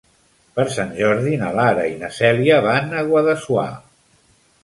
Per Sant Jordi na Lara i na Cèlia van a Guadassuar.